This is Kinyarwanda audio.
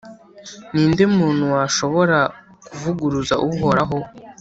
ni nde muntu washobora kuvuguruza uhoraho?